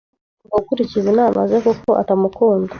Birashoboka ko azanga gukurikiza inama ze, kuko atamukunda